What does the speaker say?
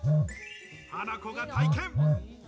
ハナコが体験。